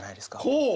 ほう！